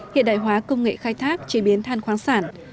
hiện đại hóa công nghệ khai thác chế biến than khoáng sản